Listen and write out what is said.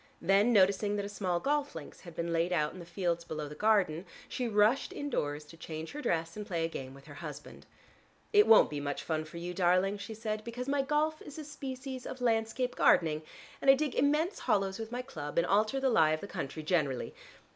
Then noticing that a small golf links had been laid out in the fields below the garden, she rushed indoors to change her dress, and play a game with her husband. "It won't be much fun for you, darling," she said, "because my golf is a species of landscape gardening, and I dig immense hollows with my club and alter the lie of the country generally.